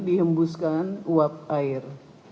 dihembuskan uap air